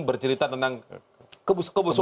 bercerita tentang kebusukan di dalam